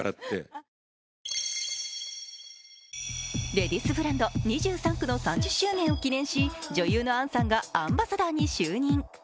レディースブランド・２３区の３０周年を記念し女優の杏さんがアンバサダーに就任。